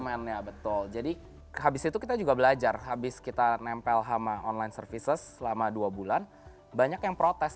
online ya betul jadi habis itu kita juga belajar habis kita nempel sama online services selama dua bulan banyak yang protes